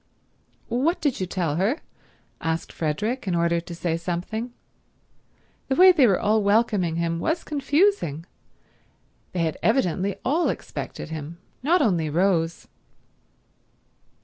"What did you tell her?" asked Frederick, in order to say something. The way they were all welcoming him was confusing. They had evidently all expected him, not only Rose.